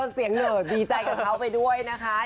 เสียงเหน่อดีใจกับเขาไปด้วยนะคะ